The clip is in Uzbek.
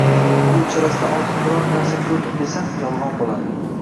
— Bu uchalasidan ortiq biron naraa ko'rdim desam, yolg'on bo'ladi.